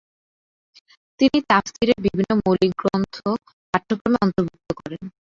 তিনি তাফসীরের বিভিন্ন মৌলিক গ্রন্থ পাঠ্যক্রমে অন্তর্ভুক্ত করেন।